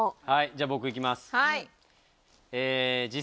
じゃあ僕いきます。